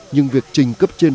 nhưng việc trình cấp trên